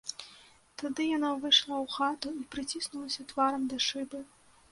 Тады яна ўвайшла ў хату і прыціснулася тварам да шыбы.